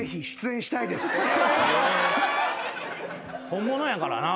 本物やからな。